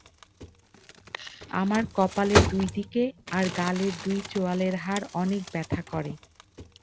আমার কপালের দুইদিকে আর গালের দুই চোয়ালের হাড় অনেক ব্যথা করে।